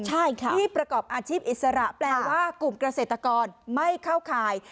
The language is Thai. ใช่ค่ะที่ประกอบอาชีพอิสระแปลว่ากลุ่มเกษตรกรไม่เข้าข่าย